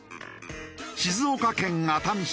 静岡県熱海市。